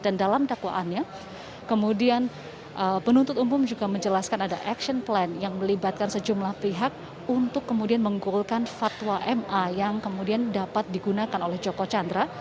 dan dalam dakwaannya kemudian penuntut umum juga menjelaskan ada action plan yang melibatkan sejumlah pihak untuk kemudian menggolkan fatwa ma yang kemudian dapat digunakan oleh joko chandra